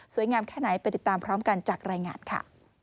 งามแค่ไหนไปติดตามพร้อมกันจากรายงานค่ะ